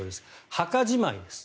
墓じまいです。